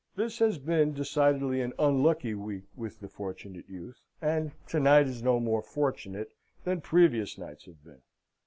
This has been decidedly an unlucky week with the Fortunate Youth, and to night is no more fortunate than previous nights have been.